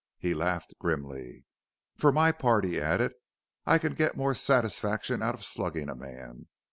He laughed grimly. "For my part," he added, "I can get more satisfaction out of slugging a man.